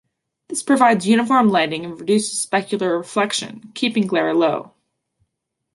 This provides uniform lighting and reduces specular reflection, keeping glare low.